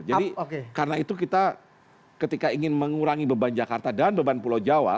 jadi karena itu kita ketika ingin mengurangi beban jakarta dan beban pulau jawa